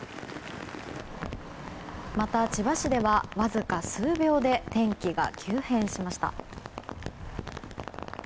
また千葉市では、わずか数秒で天気が急変しました。